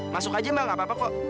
masuk aja mbak gak apa apa kok